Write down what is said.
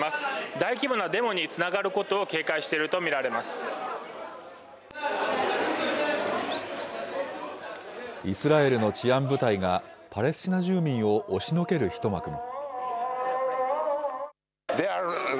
大規模なデモにつながることを警イスラエルの治安部隊がパレスチナ住民を押しのける一幕も。